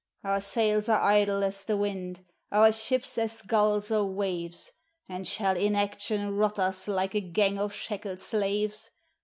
Our sails are idle as the wind, our ships as gulls or waves. And shall inaction rot us like a gang of shackled slaves?